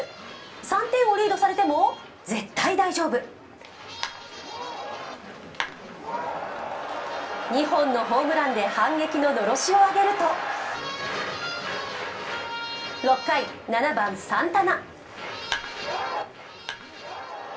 ３点をリードされても、絶対大丈夫２本のホームランで反撃ののろしを上げると６回、７番・サンタナ。